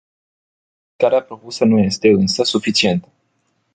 Modificarea propusă nu este, însă, suficientă.